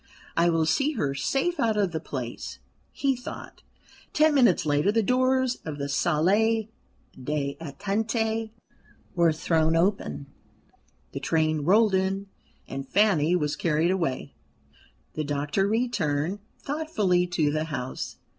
"I will see her safe out of the place," he thought. Ten minutes later the doors of the salle d'attente were thrown open, the train rolled in, and Fanny was carried away. The doctor returned thoughtfully to the house.